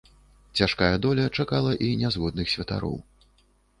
Цяжкая доля чакала і нязгодных святароў.